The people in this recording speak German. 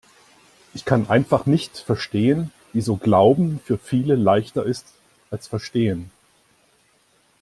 Ich kann einfach nicht verstehen, wieso Glauben für viele leichter ist als Verstehen.